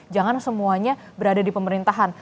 jangan semuanya berada di pemerintahan